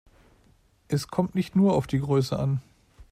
Es kommt nicht nur auf die Größe an.